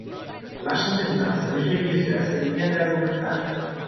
L-aș îndemna să își revizuiască linia de argumentare.